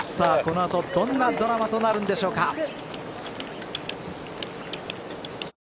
この後どんなドラマとなるんでしょうか。